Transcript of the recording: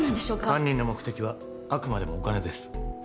犯人の目的はあくまでもお金です